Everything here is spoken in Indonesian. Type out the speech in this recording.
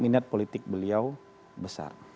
minat politik beliau besar